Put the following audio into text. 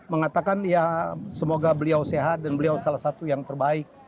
mengatakan ya semoga beliau sehat dan beliau salah satu yang terbaik